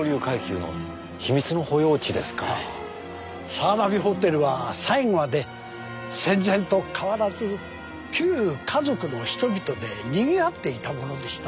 早蕨ホテルは最後まで戦前と変わらず旧華族の人々でにぎわっていたものでした。